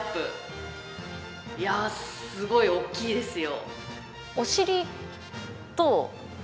いやすごい大きいですよ。